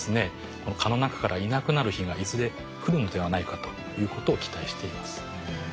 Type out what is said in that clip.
この蚊の中からいなくなる日がいずれ来るのではないかということを期待しています。